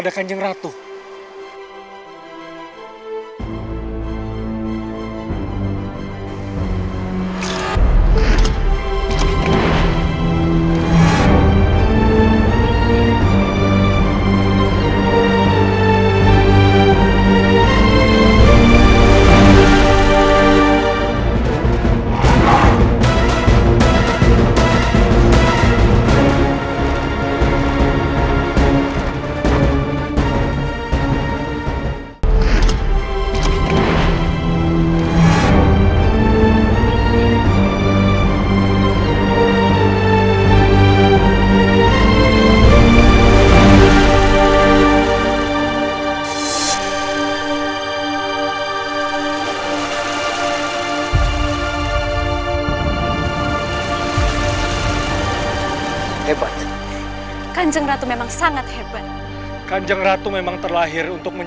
akhirnya aggression daridoesin